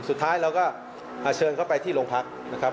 สุดท้ายเราก็เชิญเขาไปที่โรงพักนะครับ